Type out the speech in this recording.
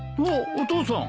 お父さん。